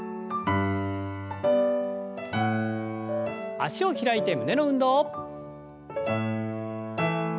脚を開いて胸の運動。